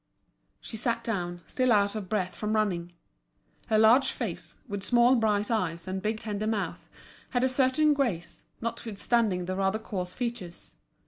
She sat down, still out of breath from running. Her large face, with small bright eyes, and big tender mouth, had a certain grace, notwithstanding the rather coarse features.